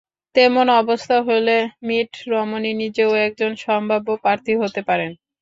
তেমন অবস্থা হলে মিট রমনি নিজেও একজন সম্ভাব্য প্রার্থী হতে পারেন।